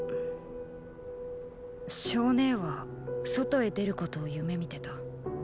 象姉は外へ出ることを夢見てた。